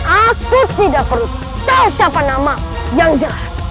aku tidak perlu tahu siapa nama yang jelas